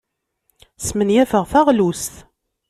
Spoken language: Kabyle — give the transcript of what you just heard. Smenyafeɣ taɣlust.